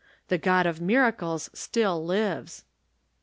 The God of miracles still lives."